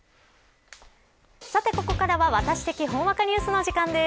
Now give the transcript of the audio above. さてここからはワタシ的ほんわかニュースの時間です。